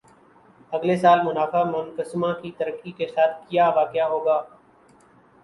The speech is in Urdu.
اگلے سال منافع منقسمہ کی ترقی کے ساتھ کِیا واقع ہو گا